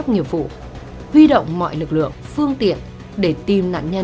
tiếp nhận thông tin đó